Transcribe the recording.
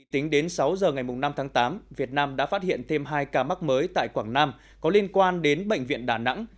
tính đến sáu giờ ngày năm tháng tám việt nam đã phát hiện thêm hai ca mắc mới tại quảng nam có liên quan đến bệnh viện đà nẵng